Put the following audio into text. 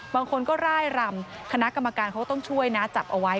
บางคนก็ร่ายรำคณะกรรมการเขาก็ต้องช่วยนะจับเอาไว้